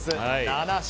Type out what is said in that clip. ７勝。